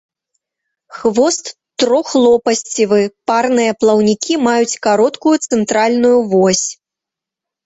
Хвост трохлопасцевы, парныя плаўнікі маюць кароткую цэнтральную вось.